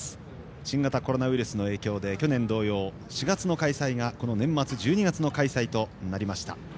新型コロナウイルスの影響で去年同様４月の開催が年末１２月の開催となりました。